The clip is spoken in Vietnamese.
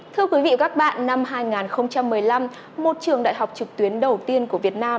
thưa quý vị và các bạn năm hai nghìn một mươi năm một trường đại học trực tuyến đầu tiên của việt nam